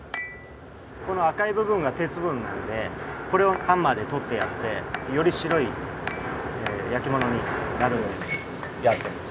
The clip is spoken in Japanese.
この赤い部分が鉄分なんでこれをハンマーで取ってやってより白い焼き物になるようにやってます。